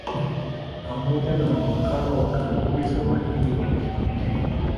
Pamoja na mawakala wa kampuni za Wahindi walihamia